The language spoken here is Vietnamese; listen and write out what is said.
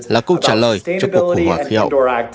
là câu trả lời cho cuộc khủng hoảng khí hậu